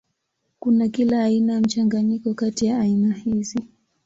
Kuna kila aina ya mchanganyiko kati ya aina hizi.